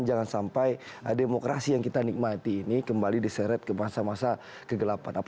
jangan sampai demokrasi yang kita nikmati ini kembali diseret ke masa masa kegelapan